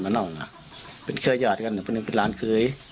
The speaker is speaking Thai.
มันมนับถือนะครับมันมนับถือว่าเป็นอันนี้เลย